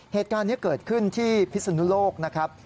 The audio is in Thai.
เหตุการณ์นี้เกิดขึ้นที่พิศนุโลกนะครับ